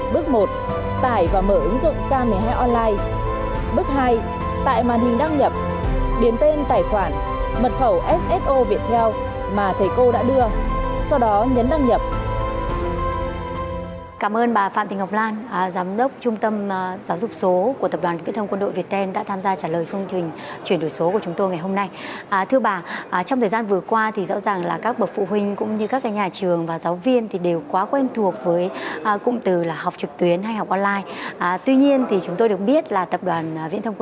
bước ba tại màn hình đăng nhập điến tên tài khoản mật khẩu sso việt theo mà thầy cô đã đưa sau đó nhấn đăng nhập